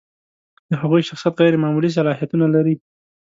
د هغوی شخصیت غیر معمولي صلاحیتونه لري.